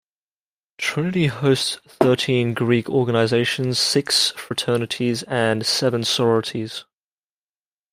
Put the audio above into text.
Trinity hosts thirteen Greek organizations, six fraternities and seven sororities.